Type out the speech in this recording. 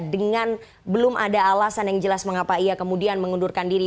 dengan belum ada alasan yang jelas mengapa ia kemudian mengundurkan diri